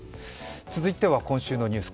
続いては今週のニュース